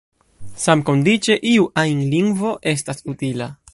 Samkondiĉe iu ajn lingvo estas utila.